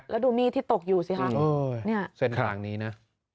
แล้วดูมีดที่ตกอยู่สิคะเนี่ยเส้นทางนี้นะ